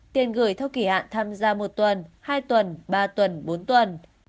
tiền gửi theo kỳ hạn tham gia một tuần hai tuần ba tuần bốn tuần